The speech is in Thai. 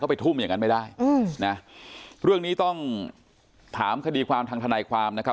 ไปทุ่มอย่างนั้นไม่ได้อืมนะเรื่องนี้ต้องถามคดีความทางทนายความนะครับ